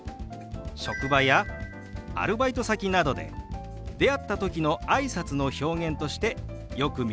職場やアルバイト先などで出会った時のあいさつの表現としてよく見られるフレーズなんですよ。